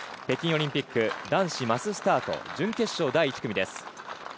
北京オリンピック男子マススタート準決勝第１組です。